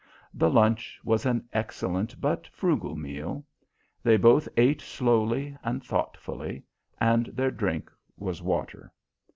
The lunch was an excellent, but frugal, meal. They both ate slowly and thoughtfully, and their drink was water.